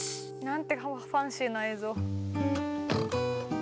なんてファンシーな映像。